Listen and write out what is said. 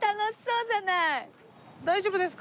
大丈夫ですか？